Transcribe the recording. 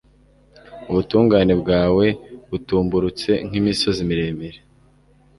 Ubutungane bwawe butumburutse nk’imisozi miremire